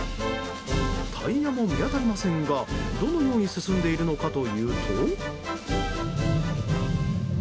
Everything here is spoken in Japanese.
タイヤも見当たりませんがどのように進んでいるのかというと。